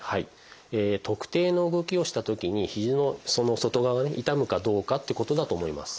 特定の動きをしたときに肘の外側がね痛むかどうかってことだと思います。